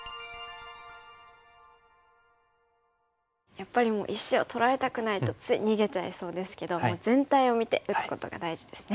やっぱりもう石を取られたくないとつい逃げちゃいそうですけどもう全体を見て打つことが大事ですね。